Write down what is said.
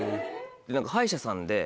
歯医者さんで。